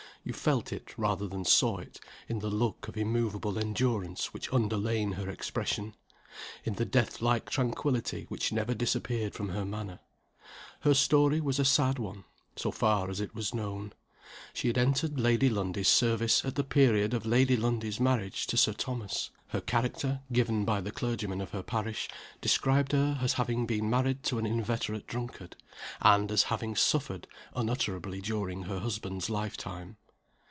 You felt it, rather than saw it, in the look of immovable endurance which underlain her expression in the deathlike tranquillity which never disappeared from her manner. Her story was a sad one so far as it was known. She had entered Lady Lundie's service at the period of Lady Lundie's marriage to Sir Thomas. Her character (given by the clergyman of her parish) described her as having been married to an inveterate drunkard, and as having suffered unutterably during her husband's lifetime.